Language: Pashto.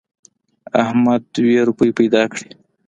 احمد دوه روپۍ پیدا کړې.